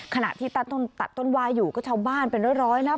ขณะที่ตัดต้นตัดต้นวายอยู่ก็ชาวบ้านเป็นร้อยนะ